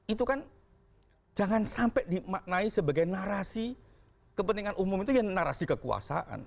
itu kan jangan sampai dimaknai sebagai narasi kepentingan umum itu ya narasi kekuasaan